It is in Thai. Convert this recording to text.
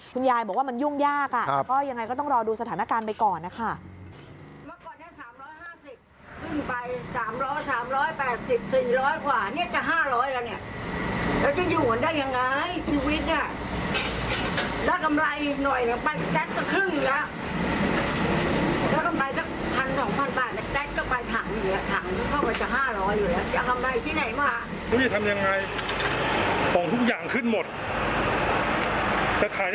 คุณยายบอกว่ามันยุ่งยากก็ยังไงก็ต้องรอดูสถานการณ์ไปก่อนนะคะ